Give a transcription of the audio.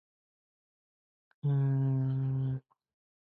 The Company ranks fifty-second in the order of precedence for Livery Companies.